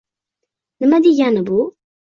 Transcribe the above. Nima degani bu?